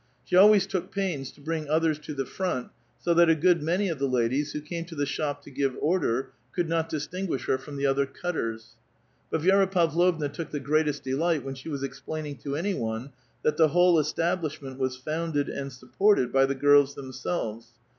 ^he always took pains to bring otliers to the front, so that a ^•ood many of the ladies, wlio came to the shop to give order, <30uld not distinguish her from the other cutters. But Vi6ra Ilf*avlovna took the greatest delight when she was explaining "tio any one that the whole establishment was founded and supported by the girls themselves.